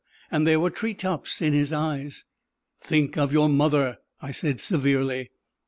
and there were tree tops in his eyes. "Think of your mother," I said severely.